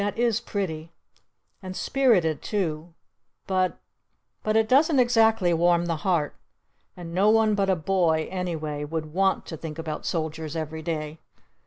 "That is pretty! And spirited too! But But it doesn't exactly warm the heart. And no one but a boy, anyway, would want to think about soldiers every day.